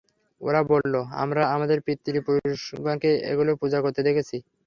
ওরা বলল, আমরা আমাদের পিতৃ-পুরুষগণকে এগুলোর পূজা করতে দেখেছি।